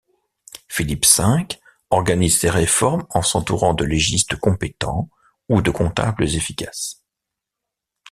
Philippe V organise ses réformes en s'entourant de légistes compétents ou de comptables efficaces.